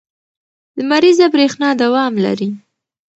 لمریزه برېښنا دوام لري.